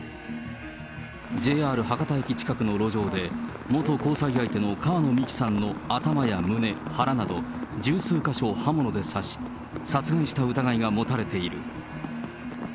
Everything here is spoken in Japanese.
ＪＲ博多駅近くの路上で、元交際相手の川野美樹さんの頭や胸、腹など十数か所を刃物で刺し、殺害した疑いが持たれている。